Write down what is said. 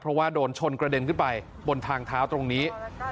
เพราะว่าโดนชนกระเด็นขึ้นไปบนทางเท้าตรงนี้